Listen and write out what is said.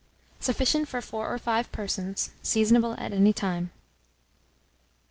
Sufficient for 4 or 5 persons. Seasonable at any time.